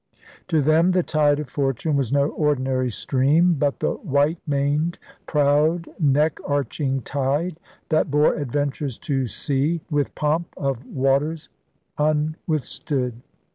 To them the tide of fortune was no ordinary stream but the 'white maned, proud, neck arching tide' that bore adventurers to sea *with pomp of waters unwithstood.